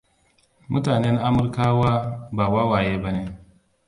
Mutanen Amurkawa ba wawaye ba ne.